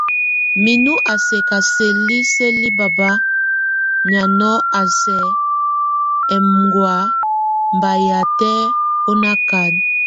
Minú a sɛka seli seli baba, miaŋo a sɛk aŋgoak, mba yatʼ o nakan.